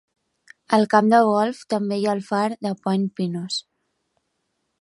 Al camp de golf també hi ha el far de Point Pinos.